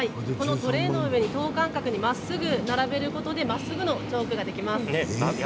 トレーの上に等間隔にまっすぐ並べることでまっすぐなチョークができます。